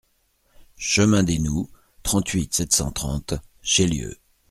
Chemin d'Eynoud, trente-huit, sept cent trente Chélieu